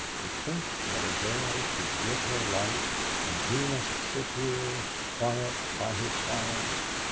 To think that a girl could give her life and he must sit here quiet by his fire.